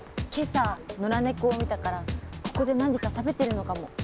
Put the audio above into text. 今朝野良猫を見たからここで何か食べてるのかも。